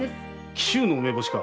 紀州の梅干しか。